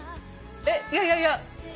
えっいやいやいや。